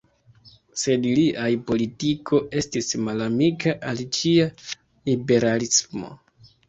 Sed liaj politiko estis malamika al ĉia liberalismo.